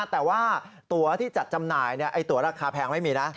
แต่ว่าตัวที่จัดจำหน่ายตัวราคาแพงไม่มีนะ